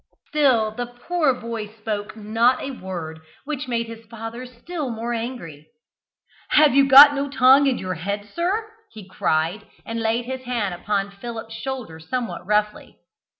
Still the poor boy spoke not a word, which made his father still more angry. "Have you got no tongue in your head, sir?" he cried, and laid his hand upon Philip's shoulder somewhat roughly.